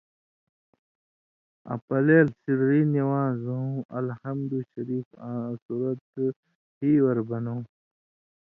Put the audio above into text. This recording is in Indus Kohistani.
آں پلیل/ سِرّی نِوانزٶں (اَلحمدُ شریف آں سورت ہِیور بنٶں)